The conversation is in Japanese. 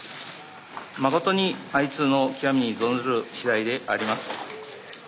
まことに哀痛の極みに存ずるしだいであります。